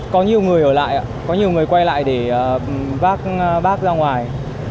có nhiều người ở lại có nhiều người quay lại để vác bác ra ngoài